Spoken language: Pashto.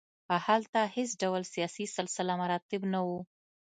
هلته هېڅ ډول سیاسي سلسله مراتب نه وو.